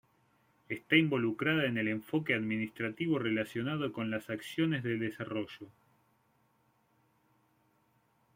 Está involucrada en el enfoque administrativo relacionado con las acciones de desarrollo.